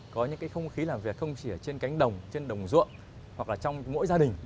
có những cái không khí làm việc không chỉ ở trên cánh đồng trên đồng ruộng hoặc là trong mỗi gia đình